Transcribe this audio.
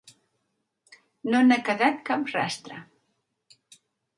No n'ha quedat cap rastre.